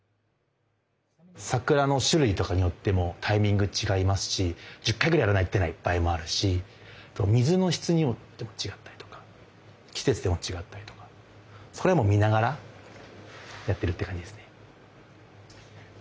桜の種類とかによってもタイミング違いますし１０回ぐらいやらないと出ない場合もあるし水の質によっても違ったりとか季節でも違ったりとかそれはもう見ながらやってるっていう感じですね。